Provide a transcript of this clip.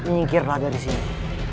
nyikirlah dari sini